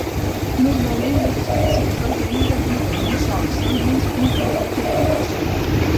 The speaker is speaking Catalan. Normalment les espècies del gènere viuen en sòls salins incloent-hi la costa.